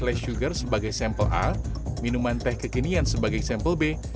less sugar sebagai sampel a minuman teh kekinian sebagai sampel b